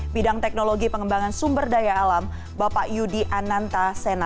bidang teknologi pengembangan sumber daya alam bapak yudi ananta sena